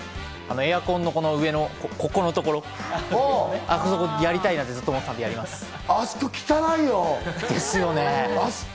エアコンの上の、ここのところ、やりたいなって、ずっと思っていあそこ汚いよ！ですよね。